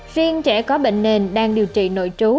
riêng trẻ có bệnh nền đang điều trị nội trú